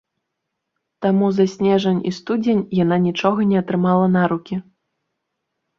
Таму за снежань і студзень яна нічога не атрымала на рукі.